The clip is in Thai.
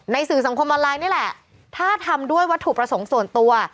สื่อสังคมออนไลน์นี่แหละถ้าทำด้วยวัตถุประสงค์ส่วนตัว